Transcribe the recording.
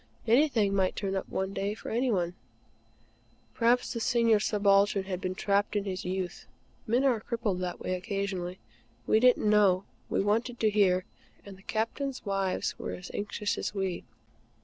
Anything might turn up any day for any one. Perhaps the Senior Subaltern had been trapped in his youth. Men are crippled that way occasionally. We didn't know; we wanted to hear; and the Captains' wives were as anxious as we.